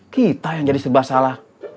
kita yang jadi sebuah salah